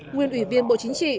nguyên ủy viên bộ chính trị